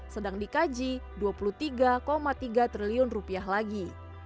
sedang dikaji rp dua puluh tiga tiga triliun lagi